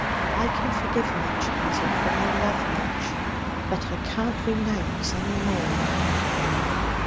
I can forgive much, Hazel, for I love much. But I can't renounce any more.'